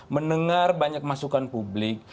mendengar banyak masukan publik